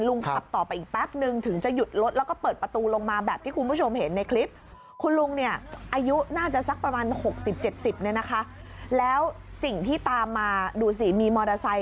ลุงขับต่อไปอีกแป๊บหนึ่งถึงจะหยุดรถแล้วก็เปิดประตูลงมาแบบที่คุณผู้ชมเห็นในคลิป